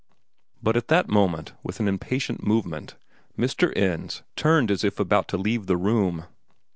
But at that moment, with an impatient movement, Mr. Ends turned as if about to leave the room.